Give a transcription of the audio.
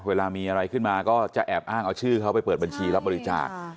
เวลามีอะไรขึ้นมาก็จะแอบอ้างเอาชื่อเขาไปเปิดบัญชีรับบริจาค